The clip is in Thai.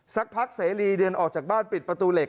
สักพักเสรีเดินออกจากบ้านปิดประตูเหล็ก